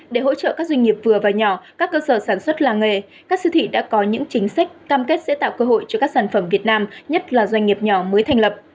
để hỗ trợ các doanh nghiệp vừa và nhỏ các cơ sở sản xuất làng nghề các siêu thị đã có những chính sách cam kết sẽ tạo cơ hội cho các sản phẩm việt nam nhất là doanh nghiệp nhỏ mới thành lập